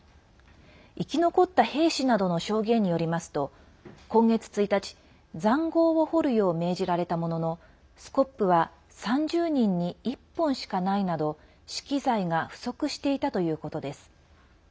生き残った兵士などの証言によりますと今月１日、ざんごうを掘るよう命じられたもののスコップは３０人に１本しかないなど資機材が不足していたということです。